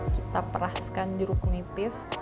kita peraskan jeruk nipis